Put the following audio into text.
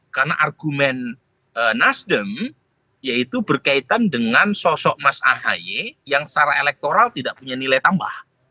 karena argumen nasdem yaitu berkaitan dengan sosok mas ahy yang secara elektoral tidak punya nilai tambah